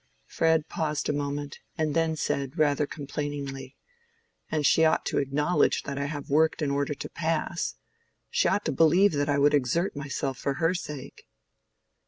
Fred paused a moment, and then said, rather complainingly, "And she ought to acknowledge that I have worked in order to pass. She ought to believe that I would exert myself for her sake."